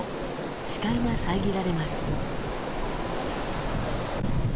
視界が遮られます。